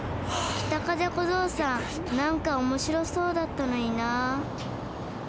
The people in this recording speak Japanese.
北風小僧さんなんかおもしろそうだったのにな。